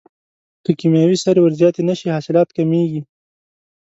که کیمیاوي سرې ور زیاتې نشي حاصلات کمیږي.